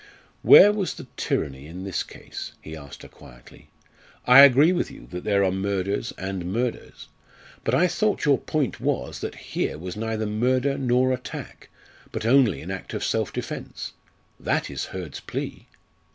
"Where was the tyranny in this case?" he asked her quietly. "I agree with you that there are murders and murders. But I thought your point was that here was neither murder nor attack, but only an act of self defence. That is Hurd's plea."